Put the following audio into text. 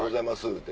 言うて。